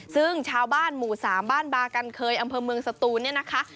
ซึ่งชาวบ้านหมู่๓บ้านบากันเคยอำเภอเมืองสตูนเนี่ยนะคะ